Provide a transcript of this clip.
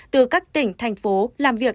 từ các tỉnh thành phố